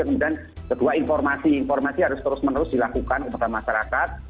kemudian kedua informasi informasi harus terus menerus dilakukan kepada masyarakat